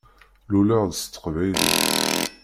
Luleɣ-d s teqbaylit.